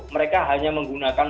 mereka hanya menggunakan